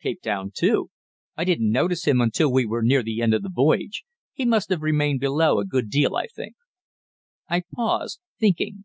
"Capetown too. I didn't notice him until we were near the end of the voyage. He must have remained below a good deal, I think." I paused, thinking.